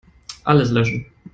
Alles löschen.